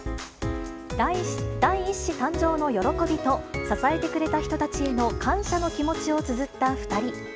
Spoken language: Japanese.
第１子誕生の喜びと、支えてくれた人たちへの感謝の気持ちをつづった２人。